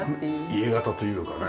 家形というかね。